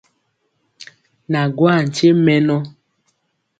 Na gwaa nkye mɛnɔ.